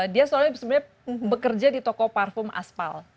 dia selalu sebenarnya bekerja di toko parfum aspal